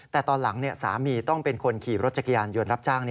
แต่ตอนหลังสามีต้องเป็นคนขี่รถจักรยานยนต์รับจ้าง